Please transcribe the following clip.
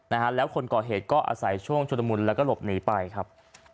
นะฮะแล้วคนก่อเหตุก็อาศัยช่วงชุลมุนแล้วก็หลบหนีไปครับ